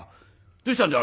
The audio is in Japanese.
どうしたんだい？